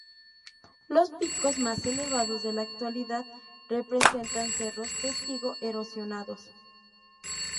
Los picos más elevados de la actualidad representan cerros testigo erosionados.